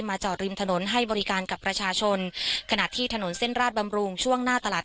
จอดริมถนนให้บริการกับประชาชนขณะที่ถนนเส้นราชบำรุงช่วงหน้าตลาด